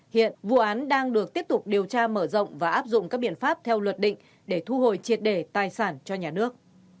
hiện vụ án đang được tiếp tục điều tra mở rộng và áp dụng các biện pháp theo luật định để thu hồi triệt đề tài sản cho nhà nước